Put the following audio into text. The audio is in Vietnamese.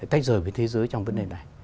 tách rời với thế giới trong vấn đề này